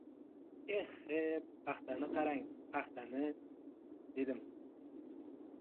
— Eh-he, paxtani qarang, paxtani! — dedim.